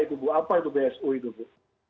itu bu apa itu bsu itu bu